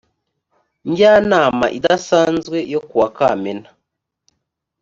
njyanama idasanzwe yo ku wa kamena